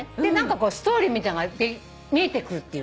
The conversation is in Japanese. ストーリーみたいなのが見えてくるって言うの。